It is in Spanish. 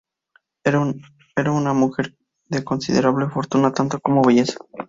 Era una mujer de considerable fortuna tanto como belleza.